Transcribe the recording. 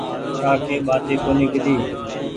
ڪآڪي ٻآٽي ڪونيٚ ڪيڌي